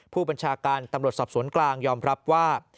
ผู้บัญชาการตำรวจสอบสวนกลางยอมรับว่า